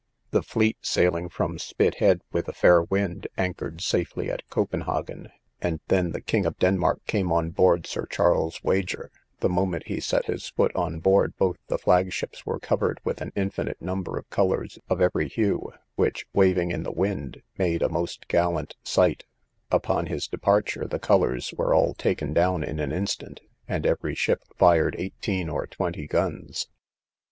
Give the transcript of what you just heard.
The fleet, sailing from Spithead with a fair wind, anchored safely at Copenhagen, and then the king of Denmark came on board Sir Charles Wager: the moment he set his foot on board, both the flag ships were covered with an infinite number of colours of every hue, which, waving in the wind, made a most gallant sight: upon his departure, the colours were all taken down in an instant, and every ship fired eighteen or twenty guns.